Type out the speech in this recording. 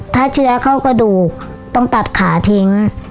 ถ้าเชื้อเข้ากระดูกต้องตัดขาทิ้ง